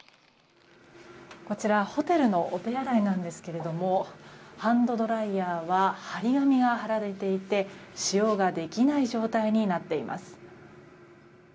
こちらホテルのお手洗いなんですけどハンドドライヤーは貼り紙が貼られていて使用ができない状態になっています。